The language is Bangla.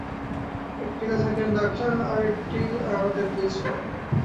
একটিতে থাকেন ডাক্তার, আর একটি আমাদের দিয়েছিল।